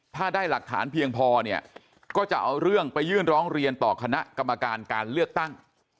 ถ้าได้หลักฐานเพียงพอเนี่ยก็จะเอาเรื่องไปยื่นร้องเรียนต่อคณะกรรมการการเลือกตั้ง